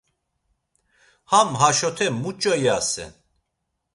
Ham haşote muç̌o iyasen?